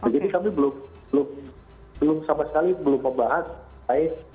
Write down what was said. jadi kami belum belum sama sekali belum membahas